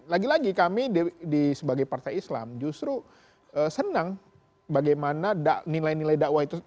lagi lagi kami sebagai partai islam justru senang bagaimana nilai nilai dakwah itu